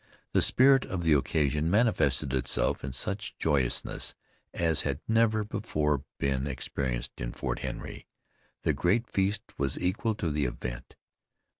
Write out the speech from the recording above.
The spirit of the occasion manifested itself in such joyousness as had never before been experienced in Fort Henry. The great feast was equal to the event.